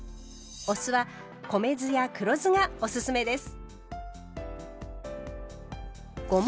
お酢は米酢や黒酢がおすすめです。